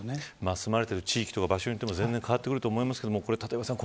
住まわれてる地域や場所によっても全然変わってくると思いますが立岩さん